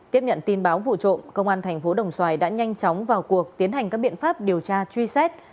tiếp nhận tin báo vụ trộm công an thành phố đồng xoài đã nhanh chóng vào cuộc tiến hành các biện pháp điều tra truy xét